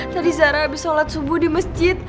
tadi zara habis sholat subuh di masjid